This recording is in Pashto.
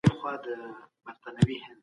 انسانان تل یو شان اشتباه تکراروي.